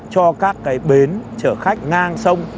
cho các cái bến chở khách ngang sông